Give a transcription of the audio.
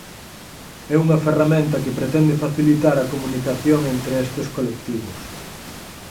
É unha ferramenta que pretende facilitar a comunicación entre estes colectivos.